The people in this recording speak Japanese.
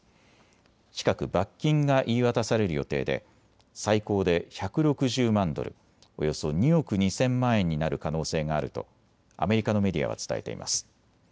近く罰金が言い渡される予定で最高で１６０万ドル、およそ２億２０００万円になる可能性があるとアメリカのメディアは伝えています。